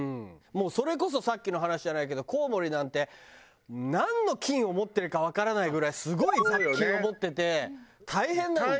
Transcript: もうそれこそさっきの話じゃないけどコウモリなんてなんの菌を持ってるかわからないぐらいすごい雑菌を持ってて大変なのよ。